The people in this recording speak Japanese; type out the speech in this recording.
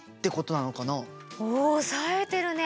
おさえてるね！